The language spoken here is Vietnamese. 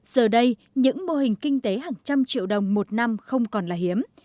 giờ đây những mô hình kinh tế hàng trăm triệu đồng một năm không còn là hiếm